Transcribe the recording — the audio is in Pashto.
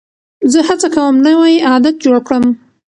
زه هڅه کوم نوی عادت جوړ کړم.